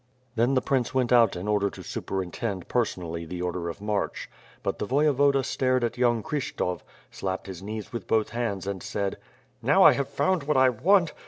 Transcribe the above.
Then the prince went out in order to superintend person ally the order of march; but the Voyevoda stared at young Kryshtof, slapped his knees with both hands and said: *T^ow I have found what I want.